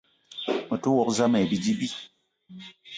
Me te wok zam ayi bidi bi.